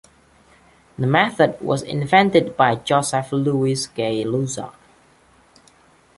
The method was invented by Joseph Louis Gay-Lussac.